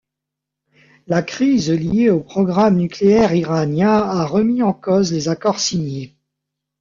La crise liée au programme nucléaire iranien a remis en cause les accords signés.